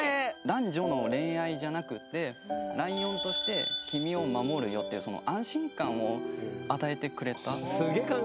男女の恋愛じゃなくってライオンとして君を守るよっていう安心感を与えてくれた。